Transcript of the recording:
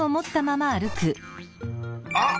あっ！